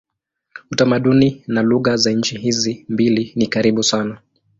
Utamaduni na lugha za nchi hizi mbili ni karibu sana.